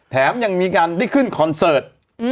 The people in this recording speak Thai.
แถมยังมีการได้ขึ้นคอนเสิร์ต